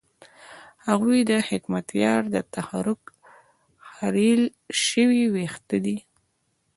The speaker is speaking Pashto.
هغوی د حکمتیار د تخرګ خرېیل شوي وېښته دي.